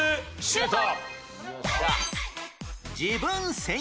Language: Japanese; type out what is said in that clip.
シュート！